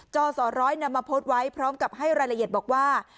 จอสร้อยนำมาโพสต์ไว้พร้อมกับให้รายละเอียดบอกว่า